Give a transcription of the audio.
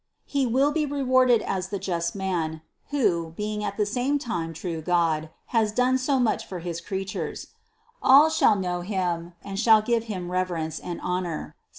He will be rewarded as the Just man, who, being at the same time true God, has done so much for his creatures; all shall know Him and shall give Him reverence and hon or (Ps.